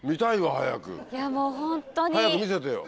早く見せてよ！